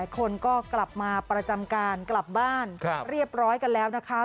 คนก็กลับมาประจำการกลับบ้านเรียบร้อยกันแล้วนะคะ